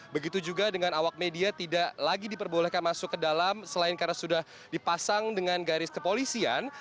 begitu juga dengan awak media tidak lagi diperbolehkan masuk ke dalam selain karena sudah dipasang dengan garis kepolisian